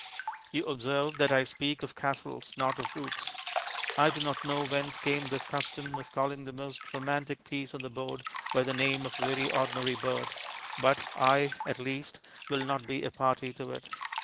You observe that I speak of castles, not of rooks. I do not know whence came this custom of calling the most romantic piece on the board by the name of a very ordinary bird, but I, at least, will not be a party to it.